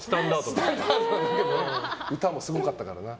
歌もすごかったからな。